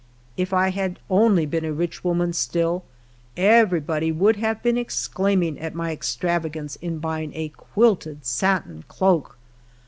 If I had only been a rich woman still, everj^body would have been exclaiming at my extravagance in buying a quilted satin cloak